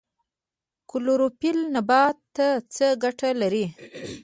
کلوروفیل نبات ته څه ګټه لري؟